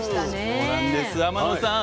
そうなんです天野さん。